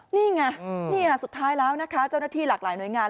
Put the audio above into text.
นี่ไงนี่สุดท้ายแล้วนะคะเจ้าหน้าที่หลากหลายหน่วยงาน